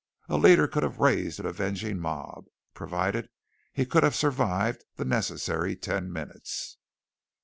A leader could have raised an avenging mob provided he could have survived the necessary ten minutes!